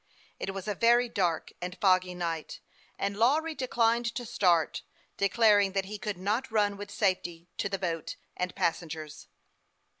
It was a very dark and foggy night, and Lawry declined to start, declaring that he could not run with safety to the boat and passengers.